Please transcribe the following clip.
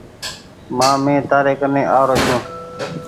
مآ مين تيآري ڪني آرو ڇون۔